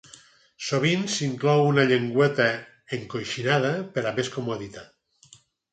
Sovint s'hi inclou una llengüeta encoixinada per a més comoditat.